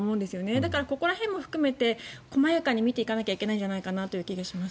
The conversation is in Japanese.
だから、ここら辺も含めて細やかに見ていかなきゃいけない気がします。